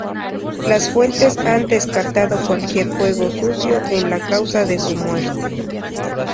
Las fuentes han descartado cualquier juego sucio en la causa de su muerte.